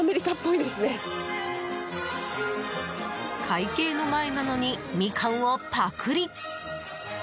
会計の前なのにミカンをパクリ。